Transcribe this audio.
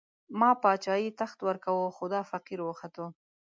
ما باچايي، تخت ورکوو، خو دا فقير وختو